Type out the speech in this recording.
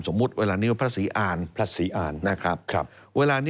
สมมุติเวลานี้ว่าพระศรีอาน